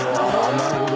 なるほど。